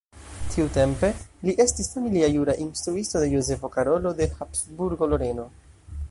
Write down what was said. Tiutempe li estis familia jura instruisto de Jozefo Karolo de Habsburgo-Loreno.